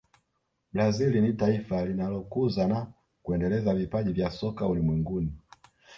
brazil ni taifa linalokuza na kuendeleza vipaji vya soka ulimwenguni